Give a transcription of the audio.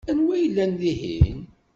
Anwa i yellan dihin?